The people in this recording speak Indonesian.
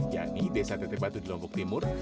yakni desa tetepatu di lombok timur